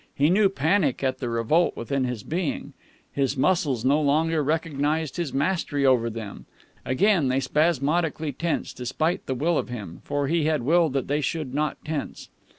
He knew panic at the revolt within his being. His muscles no longer recognized his mastery over them. Again they spasmodically tensed, despite the will of him, for he had willed that they should not tense.